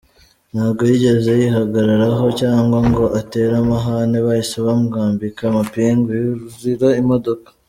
Ntabwo yigeze yihagararaho cyangwa ngo atere amahane, bahise bamwambika amapingu yurira imodoka.